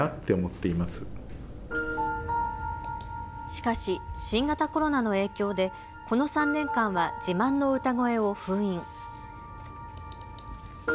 しかし新型コロナの影響でこの３年間は自慢の歌声を封印。